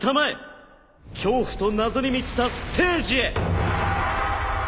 恐怖と謎に満ちたステージへ。